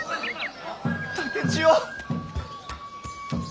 竹千代！